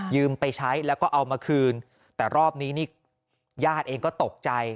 ไปใช้แล้วก็เอามาคืนแต่รอบนี้นี่ญาติเองก็ตกใจ